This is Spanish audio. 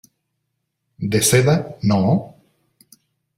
de seda. ¿ no?